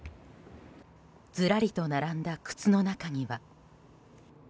ずらりと並んだ靴の中には。